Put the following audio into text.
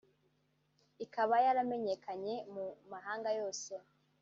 ikaba yaramenyekanye mu mahanga yose